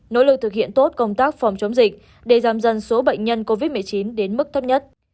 nỗ lực thực hiện tốt công tác phòng chống dịch để giảm dần số bệnh nhân covid một mươi chín đến mức thấp nhất